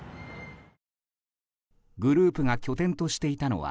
グループが拠点としていたのは